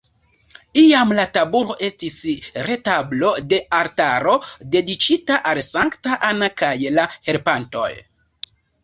Iam la tabulo estis retablo de altaro dediĉita al Sankta Anna kaj la helpantoj.